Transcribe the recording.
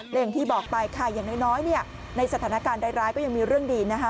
อย่างที่บอกไปค่ะอย่างน้อยเนี่ยในสถานการณ์ร้ายก็ยังมีเรื่องดีนะคะ